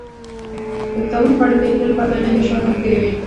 د کتابونو پاڼې د هیلې لپاره د هغې د ژوند ملګرې وې.